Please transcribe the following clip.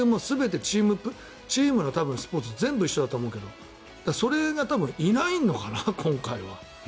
これ、チームのスポーツ全部一緒だと思うけどそれが多分いないのかな今回は。